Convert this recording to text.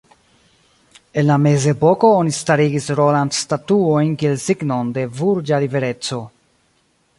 En la mezepoko oni starigis roland-statuojn kiel signon de burĝa libereco.